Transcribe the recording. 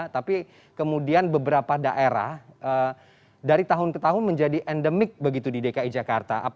tapi kemudian beberapa daerah dari tahun ke tahun menjadi endemik begitu di dki jakarta